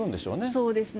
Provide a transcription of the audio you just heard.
そうですね。